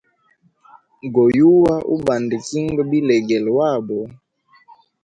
Goyuwa ubanda kinga bilegele wabo.